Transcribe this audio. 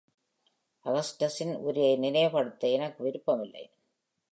அகஸ்டஸின் உரையை நினைவுபடுத்த எனக்கு விருப்பமில்லை.